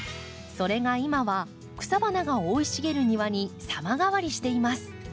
それが今は草花が生い茂る庭に様変わりしています。